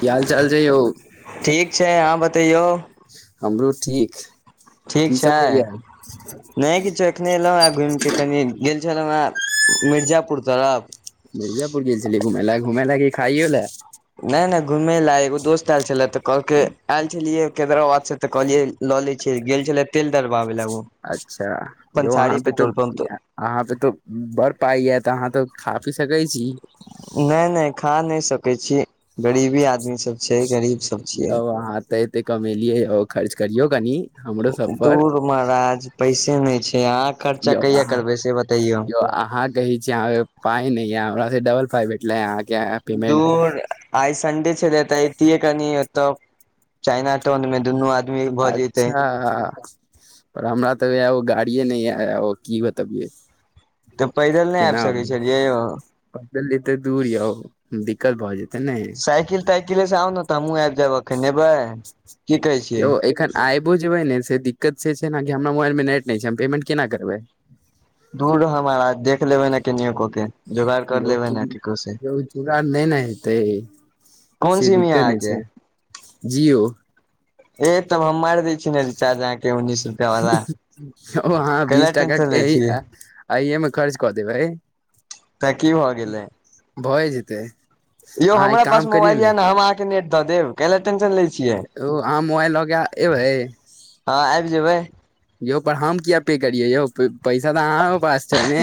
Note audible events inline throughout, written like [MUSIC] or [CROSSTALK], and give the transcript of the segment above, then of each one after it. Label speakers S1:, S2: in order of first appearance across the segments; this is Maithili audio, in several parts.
S1: की हाल चाल छै यौ
S2: ठीक छै अहाँ बतैयौ
S1: हमरो ठीक
S2: ठीक
S1: की सब
S2: छै
S1: होइया
S2: नय किछ एखने अयलौं हे घुमिके कनि गेल छलौं हें मिर्जापुर तरफ
S1: मिर्जापुर गेल छलियै घुमय लए घुमय लए की खाइयो लए
S2: नय नय घूमेय ला एगो दोस्त आयल छले तऽ कहलकै आयल छलियै कैदराबाद से तऽ कहलियै लऽ ले छियै गेल छलै तेल दरबाबे ले उ
S1: अच्छा यौ अहाँ
S2: पंसारी
S1: पे तो
S2: पेट्रोल पम्प प
S1: अहाँ पे तो बड़ पाइ य तऽ अहाँ तऽ लगा पी सकय छी
S2: नय नय खा नय सकै छी गरीबी आदमी सब छै गरीब सब छियै
S1: पाय तऽ एते कमेलियै खर्च करियौ कनि हमरो सब पर
S2: धूर महाराज पैसे नय छै अहाँ खर्चा कहिया करबै से बतैयौ
S1: अ अहाँ कहै छी अहां पाय नय यै हमरा सऽ डबल पाई भेटलै अहाँ के
S2: दूर आइ संडे छलैय त एतियै कनि एत चाइना टोन मे दुनू आ
S1: अच्छा पर हमरा तऽ गाड़िये नय य की बतबियै
S2: तऽ पदिल नय आबि सकै छलियै यौ
S1: पदिल जेते दूर यौ दिक्कत भऽ जेतै ने
S2: साइकिल ताइकिले से आउ ने तऽ हमहूं आबि जायब अखन एबै की कहै छियै
S1: आईबो जेबै ने से दिक्कत से छै ने हमरा मोबाइल मे नेट नय छै हम पेमेंट केना करबै
S2: धूर ह महराज देख लेबै न कनको के जोगाड़ कर
S1: यौ
S2: लेबै
S1: किन
S2: ने केकरो से
S1: जुगड़ नय ने हेतै
S2: कोन
S1: से
S2: सिम यै
S1: दिक्कत नय
S2: अहाँके
S1: छै जीओ
S2: ए तब हम मारि दै मार दै छी ने रिचार्ज उनिस रुपआ वाला
S1: यौ
S2: कैला टेंशन लै छियै
S1: आइे मे खर्च कऽ देबैै
S2: तऽ की भऽ गेलै
S1: भए जेतै
S2: यौ
S1: अहाँ एक
S2: हमरा पास
S1: काम करियौ
S2: मोबाइल
S1: ने
S2: या न हम अहां के नेट द देब कैला टेंशन लै छियै
S1: यौ आहां मोबइल लके एबै
S2: हँ आबि जेबै
S1: यौ पर हम किया पे करिये यौ पैसा तऽ अहाँके पास छैने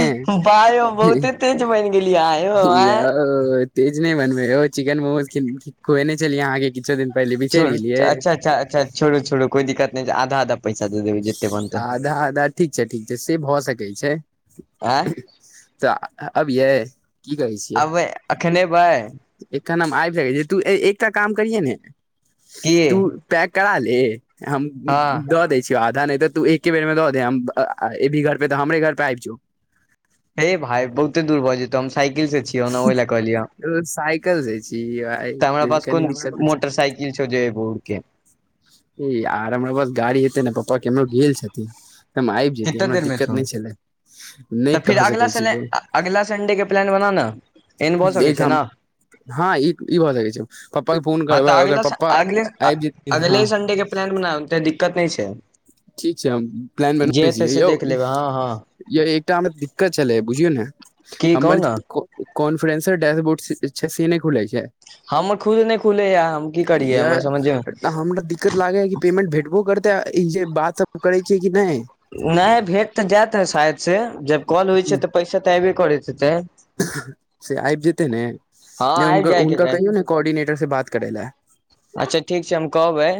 S2: वाह यौ बहुते तेज बनि गेलियै अहाँ यौ आँय
S1: यौऽ तेज नय बनबै यौ चिकेन मोमोज खुयेने छलि अहाँके किछे दिन पहिले बिसरि
S2: छोरू
S1: गेलियै
S2: अच्छा अच्छा अच्छा छोरू छोरू कोइ दिक्त नय छै आधा आधा पैसा दे देबै जते बनतै
S1: आधा आधा ठीक छै ठीक छै से भऽ सकै छै
S2: आँय
S1: तऽ अबियै कहै छियै
S2: अबै एखन एबै
S1: एखन हम आ जाय छी तु एकटा काम करिहे ने
S2: की
S1: तू पकि करा ले हम
S2: हँ
S1: द दै क आधा नय ते तू एके बेर मे द दे अभी घर पे तऽ हमरे घर पे आबि जो
S2: हे भाय बहुते दूर भऽ जेतै हम साइकिल से छियौ ने ओई ले कहलियौ हं
S1: साइकिल से छी
S2: त हमरा पास
S1: कनी
S2: कोन
S1: दिक्कत होइ छै
S2: मोटर साइकिल छो जे एबौ उरके
S1: ई आर हमरा बस गाड़ी हेतै ने पप्पा केमरो गेल छथिन तऽ हम आबि जतीयै
S2: कितना
S1: हमरा
S2: देर मे
S1: दिक्कत
S2: एथुन
S1: नय छलै
S2: तऽ
S1: नय
S2: फिर
S1: कह
S2: अगला
S1: सकै छी
S2: सले
S1: बोल
S2: अगला संडे के प्लान बना न
S1: एखाम हँ ई ई भऽ सकै छौ पप्पा के फोन
S2: हँ
S1: करबै
S2: तऽ
S1: अगर
S2: अगिला स
S1: पप्पा
S2: अगिले
S1: आबि जेथिन
S2: अगले
S1: हँ
S2: संडे के प्लान बनाउ तऽ दिक्कत नय छै
S1: ठीक छै हम प्लान
S2: जे
S1: बनबै छी
S2: हेतै से
S1: यौ
S2: देख लेबै हँ हँ
S1: यै एकटा हम दिक्कत छलै बुझियौ ने
S2: की
S1: हमर
S2: कहू ने
S1: कॉन्फरेंसर डैशबोर्ड छै से नय खुलै छै
S2: हमर खुद नय खुलैया हम की करियै
S1: य
S2: हमरा समझे
S1: हमरा दिक्कत लागै या कि नय पेमेंट भेटबो करतेै ई जे बात सब करै छियै कि नय
S2: नय भेट तऽ जायत ह शायद से जब कॉल होइ छै तऽ पैसा तऽ अऐबे करति हेतै
S1: से आबि जेते ने
S2: हँ
S1: नय हिनक
S2: आबि जायके
S1: हुनका
S2: चाही
S1: कहियौ ने कोर्डिनेटर से बात करे लए
S2: अच्छा ठीक छै हम कहबै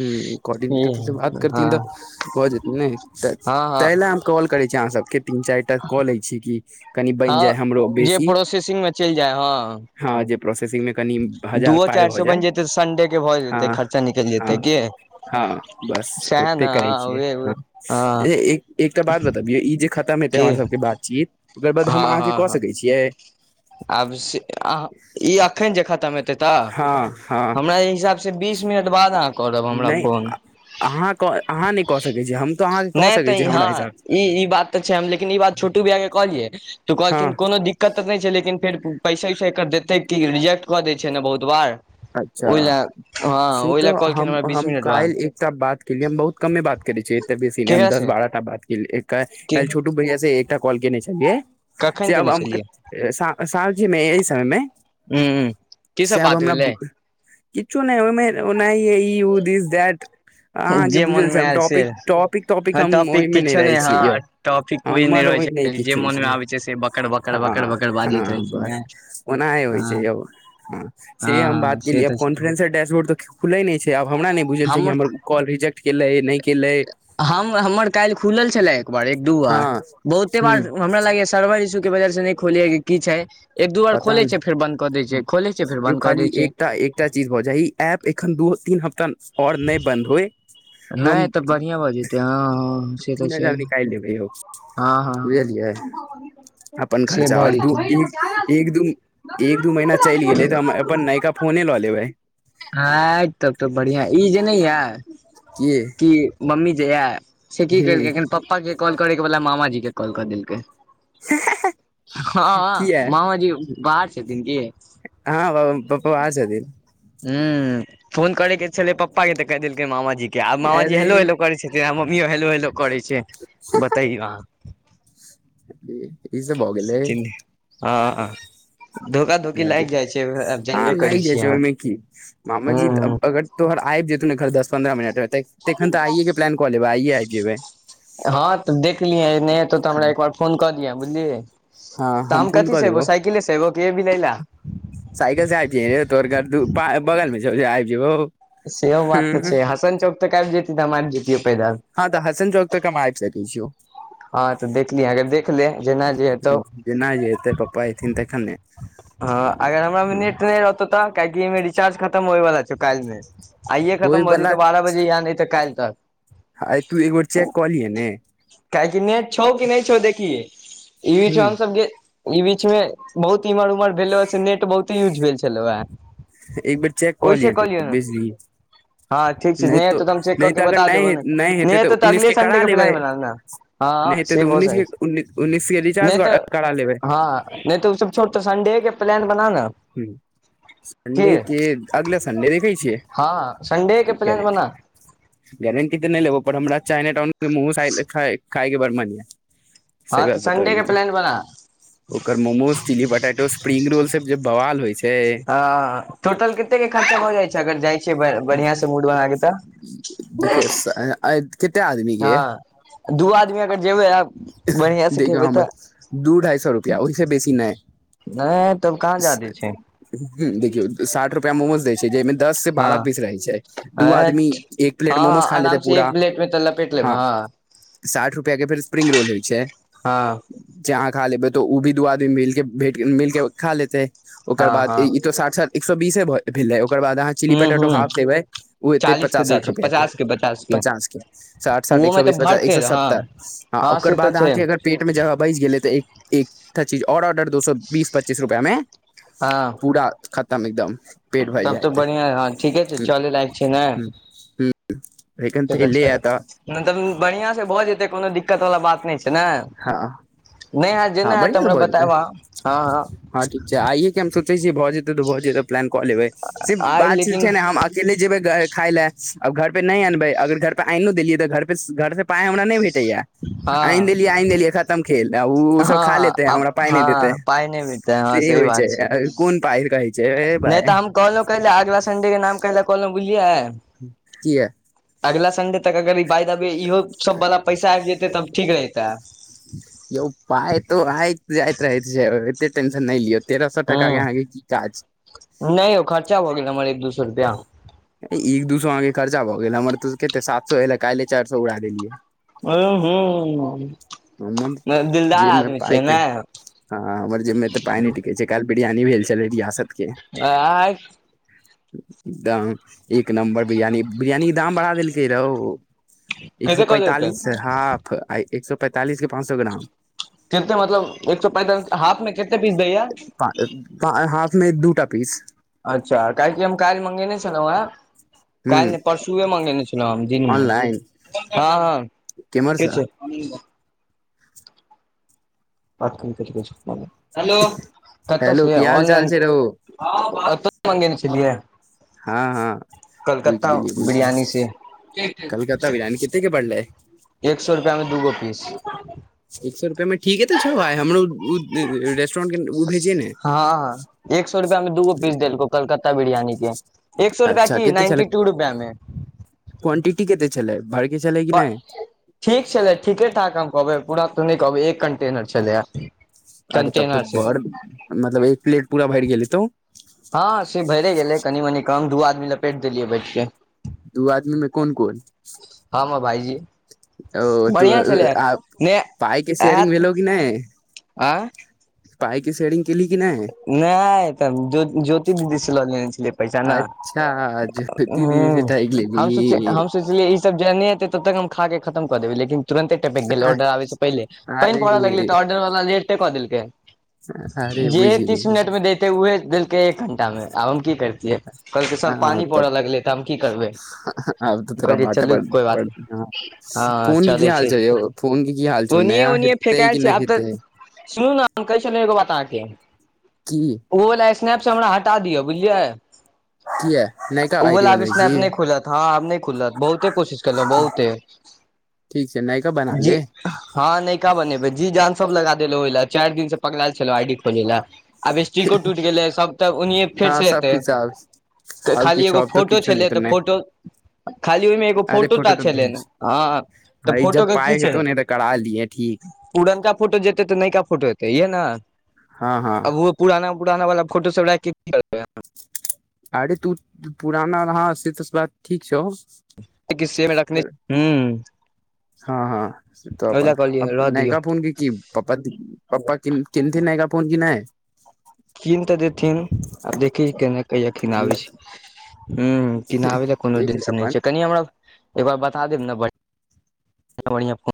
S1: ह कोर्डिनेटर तऽ बात करथिन
S2: हँ
S1: तऽ भऽ जेतनि नय
S2: हँ हँ
S1: तै ले कॉल करै छी अहाँ सबके तीन चारि टा कऽ लै छी कि कनि बनि जाय
S2: हँ
S1: हमरो
S2: जे
S1: बेसी
S2: प्रोसेसिंग मे चलि जाय हँ
S1: हँ जे प्रोसेसिंग मे कनि हजार
S2: दूओ
S1: पार
S2: चारि
S1: भऽ
S2: सो
S1: जाय
S2: बनि जेतै तऽ संन्डे के भऽ
S1: हँ
S2: जेते खर्चा निकलि जेतै
S1: हँ
S2: की
S1: हं बस
S2: सएह ने
S1: ओते करै
S2: हँ
S1: छियै
S2: उहे उहे
S1: हं
S2: हँ
S1: एक एकटा बात बताउ ई जे खतम हेतै
S2: की
S1: हमर सबके बातचीत ओकर बाद
S2: हँ
S1: हम अहाँके
S2: हँ
S1: कऽ
S2: हँ
S1: सकै छियै
S2: आब से ई एखन जे खतम हेतै तऽ
S1: हँ हँ
S2: हमरा एहि हिसाबसँ से बीस मिनट बाद अहाँ करऽब हमरा फोन
S1: आहाँ आहाँ नय कऽ सकै छीयै हम तऽ अहाँके कऽ
S2: नहि
S1: सकै
S2: तऽ
S1: छीयै हमरा
S2: हँ
S1: हिसाबसँ
S2: ई ई बात छै हम लेकिन ई बात छोटू भैया के कहलियै तऽ
S1: हँ
S2: कहलखिन कोनो दिक् कत तऽ नहि छै लेकिन फेर पैसा उइसा एकर देतै कि रिजेक्ट कऽ दै छै ने बहुत बार
S1: अच्छा
S2: ओहि लए हँ
S1: से
S2: ओहि लए
S1: त
S2: कहलखिन
S1: हम
S2: हमरा बीस
S1: हम
S2: मिनट बाद
S1: काल्हि एकटा बात केलियै हम बहुत कमे बात करै छियै बेसी नय हम
S2: केकरा
S1: दस
S2: से
S1: बारह टा बात केलियै काईल छोटू भैया से एक कॉल केने छलियै
S2: कखन
S1: से अब
S2: केने छलियै
S1: स सांझे मे यह समय मे
S2: हूं की सब बात भेलै
S1: किछु नय ओहिमे ओ इ दिस दटि अहाँके
S2: जे मोन
S1: बुझल छै
S2: मे
S1: हम
S2: आयल से
S1: टॉपिक टॉपिक टॉपिक
S2: हँ
S1: हम ओहिमे नय
S2: किछो
S1: रहै
S2: नहि
S1: छीयै यौ
S2: हँ टॉपिक कोइ नहि
S1: हमर ओइ
S2: रहै
S1: मे नय
S2: छै जे
S1: किछ होय
S2: मोन मे
S1: छै
S2: आबै से बकर बकर बकर
S1: हँ
S2: बकर बाजैत रहै
S1: हँ
S2: छै ने
S1: बस
S2: हँ
S1: ओनाहे होइ छै
S2: हँ
S1: यौ ह से हम
S2: हँ
S1: बात
S2: से
S1: केलियै अब
S2: तऽ छै
S1: कॉन्फरेंस सर डैशबोर्ड तऽ खुलै नय छै आब हमरा नय बुझल छै कि हमर कॉल रिजेक्ट केलै नय केलै
S2: हम हमर काल्हि खुलल छलए एक बार एक दू
S1: हँ
S2: बार बहुते बार
S1: ह
S2: हमरा लागैया सर्वर इसू के वजह से नय खुलैया की छै एक दू बार
S1: पता
S2: खोलै छै
S1: नहि
S2: फेर बंद कऽ दै छै खोलै छै फेर
S1: यौ
S2: बन्द कऽ
S1: खाली
S2: दै छै
S1: एकटा एकटा चीज भऽ जाय ई एप एखन दू तीन हफ्ता आओर नय बन्द होइ
S2: नहि
S1: हम
S2: तऽ बढ़िआँ भऽ जेतै हँ हँ से तऽ
S1: तीन
S2: छै
S1: हजार निकालि लेबै हम
S2: हँ हँ
S1: बुझलियै अपन
S2: से
S1: खर्चा
S2: भऽ
S1: आओर दू ई
S2: जेतै
S1: एक दू एक दू महीना चलि गेले तऽ हम अपन नयका फोने लऽ लेबै
S2: आइ तब तऽ बढ़िया ई जे नय यै
S1: के
S2: कि मम्मी जे या से की केलकै एखन पप्पा के कॉल करे के बदला मामाजी के कॉल क देलकै हँ मामा जी बाहर छथिन कि
S1: हँ ब बाहर छथिन
S2: हूं फोन करै के छलै पप्पा के त क देलकै मामाजी के आब मामााजी
S1: अरे
S2: हेलो हेलो करै छै मम्मीयो हेलो हेलो करै छै बताैयौ अहाँ
S1: ज
S2: सचि ह
S1: हँ
S2: जानबे करै
S1: लागि जाइ
S2: छियै
S1: छै ओहिमे की मामा
S2: अहाँ
S1: जी तऽ
S2: हूँ
S1: अगर तोहर आईब जेथुन घर दस पन्द्रह मिनट तखन तऽ आइए के प्लान कऽ लेब आइयए आब जेबै
S2: हँ तऽ देखलिहैं नय एतौ तऽ
S1: हँ
S2: हमरा एकबार फोन कऽ दियह बुझलिहि
S1: हँ
S2: तऽ हम
S1: फोन
S2: कथी
S1: कऽ
S2: से एयबो
S1: देबौ
S2: साइकिले से एबो कि एभी लै ले
S1: साइकिल से आब जाहे रे तोहर घर दू बगल मे छौ आइब जेबौ
S2: सेओ बात तऽ छै हसन चौक त काइल जैती त आइब जैती पदिल
S1: हँ तऽ हसन चौक तऽ हम आइब सकै छियौ
S2: हँ तऽ देखली अके देख ले जेना जे हेतौ
S1: जेना जे हेतै पप्पा एथिन तखन ने
S2: हँ अगर हमरा मे
S1: हँ
S2: नेट नय रहतौ तऽ काहेकि एइमे रिचार्ज खतम होयवला छौ काल्हि मे आइये
S1: होइ
S2: खतम भऽ
S1: बला
S2: जेतौ बारह बजे या नय तऽ काइल तक
S1: आई तू एक बेर चेक कऽलिये ने
S2: काहेकि नेट छौ कि नय छौ देखि ई बीच मे
S1: ह
S2: हम सबके ई बीच मे बहुत इमहर उमहर भेलैओ से नेट बहुते यूज भेल छलौ ये
S1: एक बेर चेक कऽ लियै तु बुजली
S2: हँ ठीक छै
S1: नय
S2: नहि
S1: तऽ
S2: हेतौ हम चेक
S1: नय
S2: कऽ
S1: तऽ
S2: के
S1: अगर
S2: बता देबौ
S1: नय
S2: ने
S1: नय
S2: नहि
S1: हेतै तऽ
S2: हेतौ
S1: उन्नीस
S2: अगले
S1: के
S2: संडे
S1: करा लेबै
S2: प्लान बना ने
S1: नय
S2: हँ
S1: हेतै
S2: से
S1: तऽ
S2: भऽ
S1: उन्नीस
S2: सकै
S1: के
S2: छै
S1: उन् उन्नीस के रिचार्ज करा लेबै
S2: नय तऽ ओ सब छोड़ संडे के प्लान बना नऽ
S1: हु सन्डे के अगले सडे देखै छियै
S2: हँ संडे
S1: के
S2: प्लान बना
S1: गारंटी तऽ नय लेबौ पर हमरा चाइना टाउन मु खायके बड़ मन यै सही
S2: हँ तऽ
S1: बात
S2: संडे के
S1: बतबियौ तऽ
S2: प्लान बना
S1: ओकर momos chilli potato spring roll सब जे बवाल होइ छै
S2: ह टोटल केते के खर्चा भऽ जाइ छै अगर जाइ छी बढ़िआं से मूड बना के तऽ
S1: से आइ केटा
S2: हँ दू आदमी अगर जेबै आ बढ़िआँ से
S1: देखियौ
S2: खेबै
S1: हम
S2: तऽ
S1: दू ढाई सए रुपआ ओइसे बेसी नय
S2: नय तब कहाँ जादे छै
S1: ह देखियौ साठि रुपआ मोमोज दै छै जाहिमे दस से बारह
S2: हँ
S1: पीस रहै छै दू आदमी
S2: एठ
S1: एक
S2: हँ
S1: प्लेट
S2: हँ
S1: मोमोज खा लेतै
S2: आराम सँ
S1: पूरा
S2: एक प्लेट मे तऽ लपेटलेब हँ
S1: साठ रुपैआ के फेर स्प्रिंग रोल होइ छै
S2: हँ
S1: जहाँ खा लेबै तो ओ भी दू आदमी मिल भे मिलके खा लेतै ओकर
S2: हँ
S1: बाद
S2: हँ
S1: ई तो साठ साठ एक सए बीसे भेलै ओकर बाद अहाँ चिली
S2: ह
S1: पटेऽटो
S2: ह
S1: हाफ लेबै ओ एतै
S2: चालीस के
S1: पचास
S2: दै
S1: साठ
S2: छै
S1: रुपआ के
S2: पचास
S1: पचास के साठ साठ
S2: ओहो
S1: एक
S2: मे
S1: सए
S2: तऽ
S1: बीस पचास एक
S2: भरते
S1: सए
S2: हँ
S1: सत्तर ह
S2: हँ
S1: ओकर
S2: से तऽ
S1: बाद
S2: छै
S1: अहाँके अगर पेट मे जगह बाइच गेलै तऽ एक एकटा चीज आओर ऑर्डर दो सए बीस पच्चीस रुपआ मे
S2: हँ
S1: पूरा खतम एकदम पेट भरि
S2: तब तऽ
S1: जायत
S2: बढ़िआँ हँ ठीके छै
S1: हु
S2: चले लायक छै ने
S1: हु हूं इले आ त
S2: मतलब बढ़ियां से भऽ जेतै कोनो दिक्कत वला बात नय छै तै नय
S1: हँ
S2: नय आय
S1: हँ
S2: जेना होयत
S1: बढ़िआँ से
S2: हमरा
S1: भऽ जेतै
S2: बतायब अहाँ हँ हँ
S1: हँ ठीक छै आइये के हम सोचे छीयै भऽ जेते तऽ भऽ जेतै प्लान कऽ लेबै से
S2: आइ
S1: बात
S2: लेकिन
S1: छै ने हम केे नय जेबे खाय ले अब घर पे नय अनबै अगर घर पे आन देलियै तऽर घर से पायइ हमरा नय भेट लै आ
S2: हँ
S1: आनि देलियै आनि देलिय खत खतम खेल आ उ उ सब
S2: हँ
S1: खा लेतै आ
S2: आब
S1: हमरा पाय नय
S2: हँ
S1: देतै
S2: पाइ नहि भेटतै
S1: से होइ छै कोन पाय कहै छै ए
S2: नय
S1: भाय
S2: तऽ हम कहलौं कैले अगला संडे के नाम कहिला कहलौं बुझलियै
S1: किया
S2: अगिला संडे तक अगर ई बा दब इहो सब वाला पैसा आबि जेतै तब ठीक रहिते
S1: यौ पाय तो आइब जाइत रहै छै एते टेन्शन नय लिय तेरह सो टका के अहाँके की काज
S2: नय यौ खर्चा भऽ गेल हमर एक दू सए रुपैआ
S1: एक दू सए अहांके खर्चा भऽ गेल हमर तो केते सात सए एले काइले चारि सौ उड़ा देलियै
S2: ओ हो
S1: जे मे पाय के
S2: ने
S1: हं हमर जेमे एतऽ पाय नय टिकै छै काइल बिरयानी भेल छलै रियासत के
S2: आ
S1: द एक नम्बर बिरयानी बिरयानी के दाम बढ़ा देलकै रौ एक सए
S2: कते कऽ देलकै
S1: पैंतालिस हाफ एक सए पैंतालिस के पाँच सए ग्राम
S2: केते मतलब एक सए पैंतालस हाफ मे केते पीस दैया
S1: हाफ मे दूटा पीस
S2: अच्छा काहेकि हम काइल मंगेने छलौं हे काल्हि
S1: ह
S2: नय परसुए मंगेने छलौं हें हम दिनमे
S1: ऑनलाइन
S2: हँ हँ
S1: केम्हरसँ
S2: किछ आ बात क करो हेलो कत
S1: हेलो
S2: से
S1: की हाल चाल
S2: ऑनलाइन
S1: छै रहौ
S2: ओतौ मंगेने छलिहे
S1: हँ हँ बुझि
S2: कलकत्ता
S1: गेलियै बुझि
S2: बिरयानी
S1: गेलियै
S2: से
S1: कलकत्ता बिरियानी कते के पड़लै
S2: एक सए रुपआ मे दूगो पीस
S1: एक सए रुपैआमे ठीके तऽ छौ
S2: हँ
S1: उ रेस्टोरेंट के ओ भेजे ने
S2: हँ एक सए रुपआ मे दूगो पीस देलको कलकत्ता बिरियानी के एक सए रुपआ
S1: अच्छा
S2: की नाइन्टी टू रुपआ मे
S1: क्वंटीटी केते छलै भ
S2: ब ठीक छलै ठीके ठाक हम कहबै पूरा तऽ नय कहबै एक कंटेनर छलैया
S1: अरे तब
S2: कंटेनर
S1: तऽ
S2: से
S1: बड़ मतलब एक प्लेट पूरा भरि गेल हेतौ
S2: हँ से भैरे गेलै कनि मनी कम दू आदमी लपेट देलियै बैठ के
S1: दू आदमी मे कोन कोन
S2: हम आ भाईजी
S1: ओ तू
S2: बढ़िया छलै
S1: आ
S2: ने
S1: पाइके शेयरिंग
S2: आत
S1: भेलौ कि नय
S2: आ
S1: पाय के सेेरिंग केली कि नय
S2: नय त ज्योति दीदी से ल लने छलियै पैसा न
S1: अच्छा ज्योति दीदी से
S2: हूं
S1: ठकि लेली
S2: हम सोची हम सोची ई सब जे नय एते तब तक हम खा के खतम कऽ देबै लेकिन तुरन्ते टपकि गेलै ऑर्डर आबै से पहिले पानि
S1: अरे
S2: पड़ऽ लगलैऽ तऽ ऑर्डर वाला लेटे कऽ देलकै
S1: अरे
S2: जेहे
S1: बुझि गेली
S2: तीस
S1: बुझि
S2: मिनट मे
S1: गेली
S2: देतै उहे देलकै एक घंटा मे आब हम की करितियै कहलकै सर पानी
S1: हँ तब
S2: पड़ऽ लगलै तऽ हम की करबै
S1: आब तऽ तोरा
S2: कहलियै
S1: बाटे
S2: चलू
S1: पड़
S2: कोइ बात नय
S1: हँ
S2: हँ
S1: फोन के की
S2: चलै
S1: हाल
S2: छै
S1: यौ फोन के की हाल छौ
S2: ओनिये
S1: नया
S2: ओनिये
S1: हेतै कि
S2: फेकेऽल छै
S1: नहि
S2: आब
S1: हेतै
S2: तऽ सुनू न हम कैहै छी न एगो बता केे
S1: की
S2: ओ लाइप्स्नैप सँ हमरा हटा दिअ बुझलियै
S1: कीया
S2: उ वला आब स्नैप नय खुलत हँ आब नय खुलत बहुते कोशिश केलौं बहुते
S1: ठीक छै नयका बना
S2: जी
S1: ले
S2: हँ नैका बनेबै जी जान सब लगा देलहु ओहि ल चारि दिन से पगलेल छलौ आई डी खोलै लए आब स्टिको टूटि गेलै सब तऽ ओनिये आब
S1: हँ
S2: फेर से
S1: सब
S2: एतै
S1: किछु आब
S2: तऽ
S1: आब
S2: खाली
S1: किछो
S2: एगो
S1: आब तऽ
S2: फोटो
S1: किछो नहि
S2: छलै तऽ
S1: नहि
S2: फोटो खाली ओहिमे एगो फोटो टा छलै ने हँ तऽ
S1: भइ
S2: फोटो
S1: जब
S2: के की
S1: पाए
S2: छै
S1: हेतौ ने तऽ करा लिहे ठीक
S2: पुरनका फोटो जेतै तऽ नयका फोटो एतै इहे न
S1: हँ हँ
S2: ओहो पुराना पुराना वाला फोटो सब राइख कऽ की करबै हम
S1: अरे तू पुराना हं से त बात ठीक छौ
S2: आ कि सेम रखने हूं
S1: हँ हँ से तऽ
S2: ओहि लए
S1: अपन अ
S2: कहलियै रह दियौ
S1: नयका फोन के की पप्पा पप्पा केनथि नयगा फोन कि नय
S2: कीन तऽ देथिन आब देखी केना कहिया कीनाबै छी हूं किनाबै लए कोनो
S1: देख ले
S2: दिनस
S1: अपन
S2: नहि छै कनि हमरा एकबार बता देब न बढ़िआँ बढ़िआँ फोन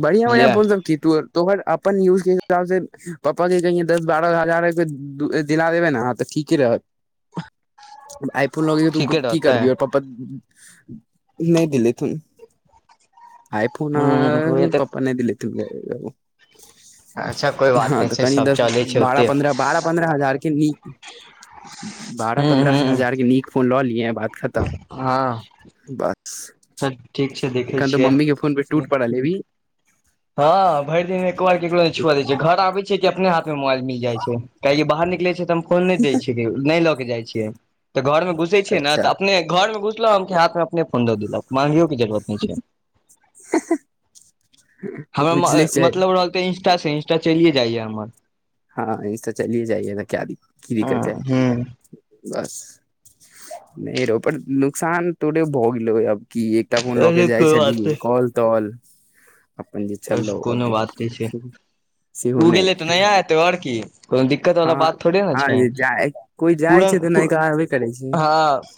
S1: बढ़िआ बढ़िआ
S2: बुझलियै
S1: फोन सब कीतू तोहर अपन यूज के हिसाब से पपा के कहिं दस बारह हजार के दिला देबै न त ठीक ही रहत
S2: वाह
S1: आइफोन लके तू की करबी प्पा
S2: हूं
S1: [UNINTELLIGIBLE]
S2: उहे तऽ
S1: नय दिलेथिन
S2: अच्छा कोइ बात
S1: हा
S2: नहि
S1: त
S2: छै
S1: कनी
S2: सब
S1: दस
S2: चलै छै
S1: बारह
S2: ओते
S1: प्रनद्रह बारह पन्द्रह हजार के नीक बारह
S2: हूं
S1: पन्द्रह
S2: हूं
S1: हजार के नीक फोन लऽ लिएहे बात खतम
S2: ह
S1: बस
S2: स
S1: एखन तऽ मम्मी के फोन पर टूट पड़ल हेबही
S2: हँ भरि दिन मे एको बार केकरो छुआ दै छै घर आबे छै कि अपने हाथ मोबाइल मिल जाय छै कियाकि बाहर निकले छै तऽ हम फोन नहि दै छियै नहि लऽ के जाइ छियै तऽ घर मे घुसै छिये ने
S1: अच्छा
S2: तऽ अपने घर मे घुसलौं हम के हाथ मे अपने फोन दऽ देलक मांगियो के जरुरत
S1: [UNINTELLIGIBLE]
S2: हमरा म
S1: छै
S2: मतलब रहल तऽ इंस्टा से इंस्टा चलिए जाइया हमर
S1: हँ ई तऽ चलिए जाइए ने क्यारी की दिक्कत हेतै
S2: हँ हूँ
S1: बस नय रौ पर नुकसान तोरे भऽ गेलो अब कि एक तब उन लऽ के
S2: अरे
S1: जाइ
S2: कोइ बात
S1: छथीन काॅल ताॅल
S2: चल कोनो बात नय छै
S1: तऽ सेहो
S2: ओ
S1: नहि
S2: गेलै तऽ नया एतै आओर की कोनो दिक्कत वाला
S1: हँ
S2: बात थोड़े ने
S1: हँ
S2: छै
S1: जे जा कोइ
S2: पुर
S1: जाइ छै तऽ
S2: न पुर
S1: नयका एबे करै छै
S2: हँ